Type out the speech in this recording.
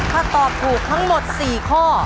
ถ้าตอบถูกทั้งหมด๔ข้อ